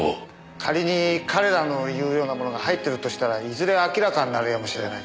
仮に彼らの言うようなものが入ってるとしたらいずれ明らかになるやもしれない。